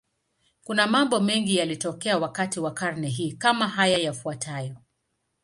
Kuna mambo mengi yaliyotokea wakati wa karne hii, kama haya yafuatayo.